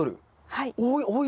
はい。